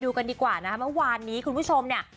กันดีกว่านะคะเมื่อวานนี้คุณผู้ชมเนี่ย